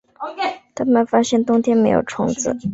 他们发现冬天没有虫子